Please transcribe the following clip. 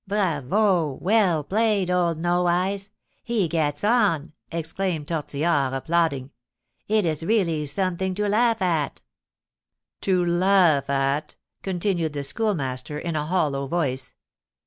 "Bravo! Well played, old No Eyes! He gets on," exclaimed Tortillard, applauding. "It is really something to laugh at." "To laugh at?" continued the Schoolmaster, in a hollow voice.